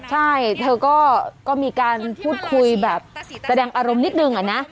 ใช่เธอก็มีการพูดคุยแบบแสดงอารมณ์นิดนึงอะนะ